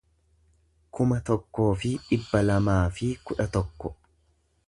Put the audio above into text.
kuma tokkoo fi dhibba lamaa fi kudha tokko